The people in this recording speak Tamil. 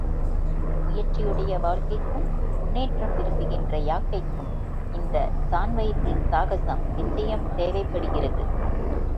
முயற்சியுடைய வாழ்க்கைக்கும், முன்னேற்றம் விரும்புகின்ற யாக்கைக்கும், இந்த சாண் வயிற்றின் சாகசம் நிச்சயம் தேவைப்படுகிறது.